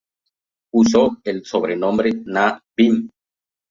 Usó el sobrenombre Na bin.